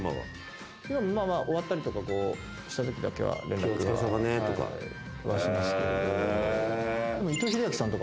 終わったりとかしたときだけは連絡はしますけれど。